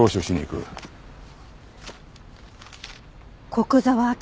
「古久沢明」